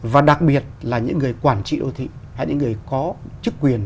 và đặc biệt là những người quản trị đô thị hay những người có chức quyền